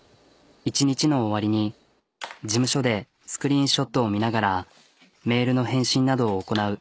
１日の終わりに事務所でスクリーンショットを見ながらメールの返信などを行なう。